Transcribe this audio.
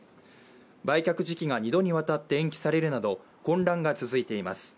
売却時期が２度にわたって延期されるなど混乱が続いています。